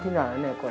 これ。